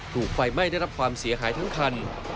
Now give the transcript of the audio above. ถูกไฟไหม้ได้รับความเสียหายทั้งคัน